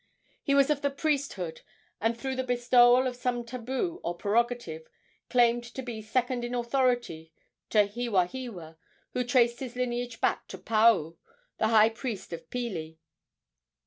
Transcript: He was of the priesthood, and, through the bestowal of some tabu or prerogative, claimed to be second in authority to Hewahewa, who traced his lineage back to Paao, the high priest of Pili.